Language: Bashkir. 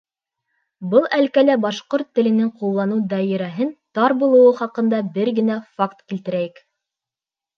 Был әлкәлә башҡорт теленең ҡулланылыу даирәһенең тар булыуы хаҡында бер генә факт килтерәйек.